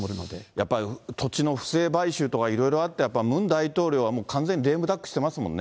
やっぱり土地の不正買収とかいろいろあって、やっぱりムン大統領は、もう完全にレームダックしてますもんね。